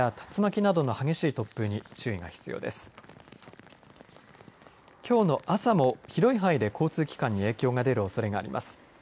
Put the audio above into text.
きょうの朝も広い範囲で交通機関に影響が出るおそれがあります。